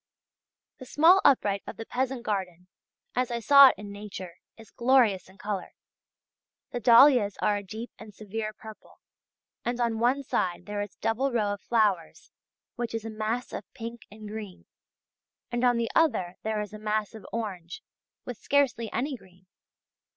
The small upright of the peasant garden, as I saw it in nature, is glorious in colour. The dahlias are a deep and severe purple, and on one side there is a double row of flowers which is a mass of pink and green, and on the other there is a mass of orange with scarcely any green.